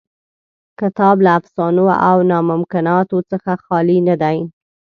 کتاب له افسانو او ناممکناتو څخه خالي نه دی.